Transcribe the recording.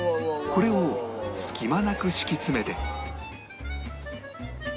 これを隙間なく敷き詰めて